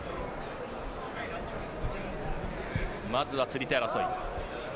まずは釣り手争い。